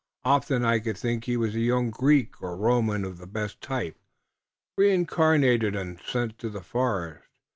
Often I could think he was a young Greek or Roman of the best type, reincarnated und sent to the forest.